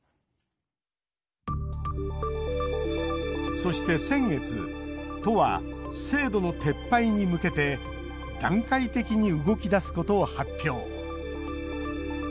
そして、先月都は制度の撤廃に向けて段階的に動き出すことを発表。